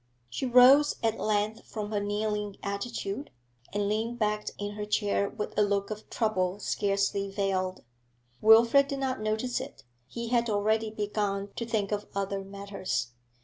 She rose at length from her kneeling attitude, and leaned back in her chair with a look of trouble scarcely veiled. Wilfrid did not notice it; he had already begun to think of other matters.